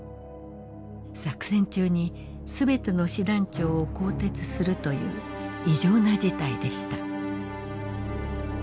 作戦中に全ての師団長を更迭するという異常な事態でした。